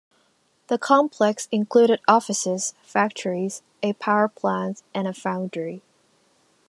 The complex included offices, factories, a power plant and a foundry.